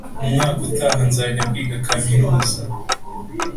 umwaka utaha nzajya kwiga kaminuza